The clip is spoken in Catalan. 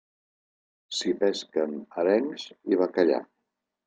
S'hi pesquen arengs i bacallà.